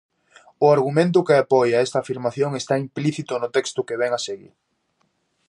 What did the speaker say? O argumento que apoia esta afirmación está implícito no texto que vén a seguir.